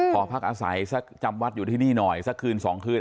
ขอพักอาศัยสักจำวัดอยู่ที่นี่หน่อยสักคืน๒คืน